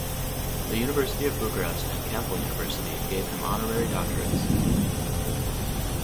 The University of Bucharest and Campbell University gave him honorary doctorates.